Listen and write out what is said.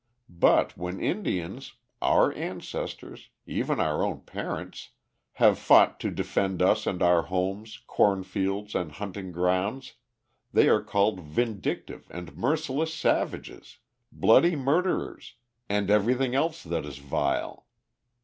But when Indians our ancestors, even our own parents have fought to defend us and our homes, corn fields, and hunting grounds they are called vindictive and merciless savages, bloody murderers, and everything else that is vile.